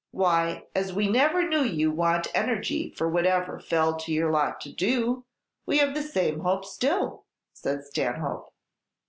"Why, as we never knew you want energy for whatever fell to your lot to do, we have the same hope still," said Stanhope.